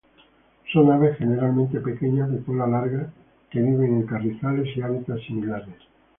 Son aves generalmente pequeñas, de cola larga, que viven en carrizales y hábitats similares.